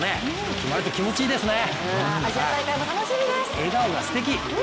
決まると気持ちいいですね。